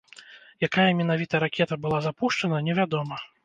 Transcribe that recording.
Якая менавіта ракета была запушчана, невядома.